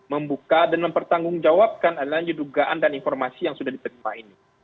membuka dan mempertanggungjawabkan adanya dugaan dan informasi yang sudah diterima ini